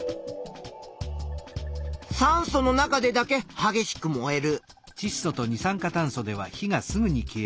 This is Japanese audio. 酸素の中でだけはげしく燃える。